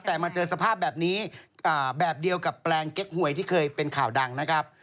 แต่มาเจอสภาพแบบนี้แบบเดียวกับแปลงเก๊กหวยที่เคยเป็นข่าวดังนะครับ